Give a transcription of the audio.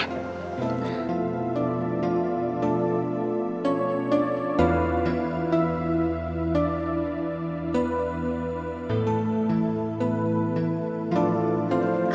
kepada wendy putri mereka